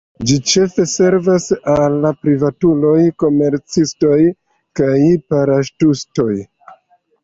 Ĝi ĉefe servas al privatuloj, komercistoj kaj paraŝutistoj.